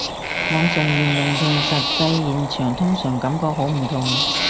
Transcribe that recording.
網上言論同實際現場通常感覺好唔同